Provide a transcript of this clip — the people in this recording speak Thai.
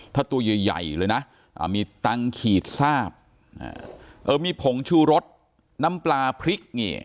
แต่ตัวใหญ่เลยน่ะอ่ามีตังกีดทราบออมีผงชูรสน้ำปลาพริกนี่